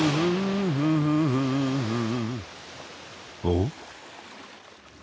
おっ？